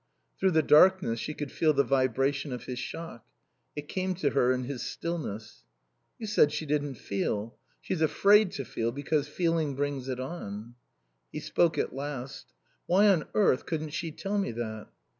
Through the darkness she could feel the vibration of his shock; it came to her in his stillness. "You said she didn't feel. She's afraid to feel because feeling brings it on." He spoke at last. "Why on earth couldn't she tell me that?"